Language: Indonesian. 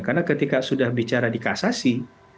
karena ketika sudah bicara di kasasi